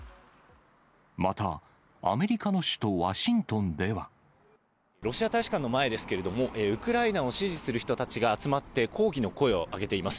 また、アメリカの首都ワシントンロシア大使館の前ですけれども、ウクライナを支持する人たちが集まって、抗議の声を上げています。